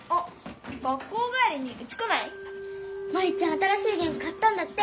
新しいゲーム買ったんだって。